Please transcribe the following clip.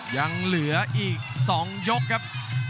ยังเหลืออีก๒ยกครับ